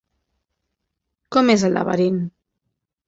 Com és el laberint?